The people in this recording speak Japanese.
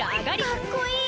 かっこいい！